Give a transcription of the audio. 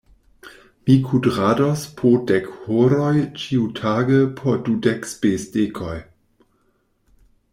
Mi kudrados po dek horoj ĉiutage por dudek spesdekoj.